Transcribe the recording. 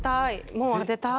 もう当てたい。